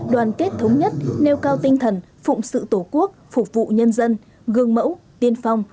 đoàn kết thống nhất nêu cao tinh thần phụng sự tổ quốc phục vụ nhân dân gương mẫu tiên phong